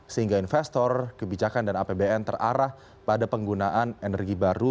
sehingga investor kebijakan dan apbn terarah pada penggunaan energi baru